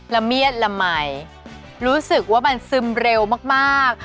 ละเมียดละไหมรู้สึกว่ามันซึมเร็วมาก